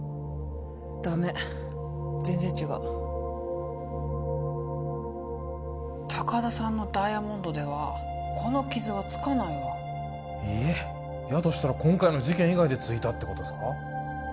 ダメ全然違う高田さんのダイヤモンドではこの傷はつかないわえっやとしたら今回の事件以外でついたってことっすか？